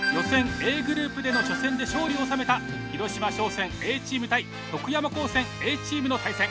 Ａグループでの初戦で勝利を収めた広島商船Ａチーム対徳山高専Ａチームの対戦。